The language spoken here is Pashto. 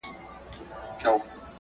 او هلته کوم نیکه د وتې